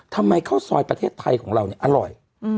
ข้าวซอยประเทศไทยของเราเนี่ยอร่อย